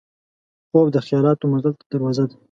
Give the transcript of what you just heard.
خوب د خیالاتو مزل ته دروازه ده